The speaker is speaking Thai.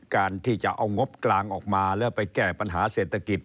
การที่จะเอางบกลางออกมาแล้วไปแก้ปัญหาเศรษฐกิจ